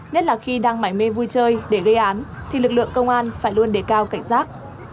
nhất là khi đang mải mê vui chơi để gây án thì lực lượng công an phải luôn đề cao cảnh giác